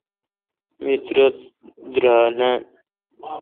می ترہ درائ نان۔